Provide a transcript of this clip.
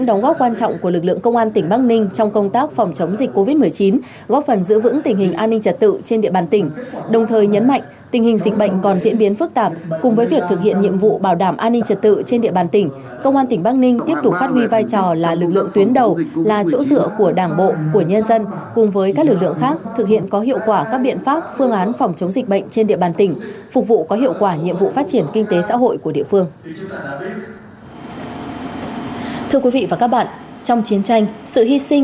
trong công tác phòng chống dịch covid một mươi chín góp phần giữ vững tình hình an ninh trật tự trên địa bàn tỉnh đồng thời nhấn mạnh tình hình dịch bệnh còn diễn biến phức tạp cùng với việc thực hiện nhiệm vụ bảo đảm an ninh trật tự trên địa bàn tỉnh công an tỉnh bắc ninh tiếp tục phát huy vai trò là lực lượng tuyến đầu là chỗ sửa của đảng bộ của nhân dân cùng với các lực lượng khác thực hiện có hiệu quả các biện pháp phương án phòng chống dịch bệnh trên địa bàn tỉnh phục vụ có hiệu quả nhiệm vụ phát triển kinh tế xã hội của đị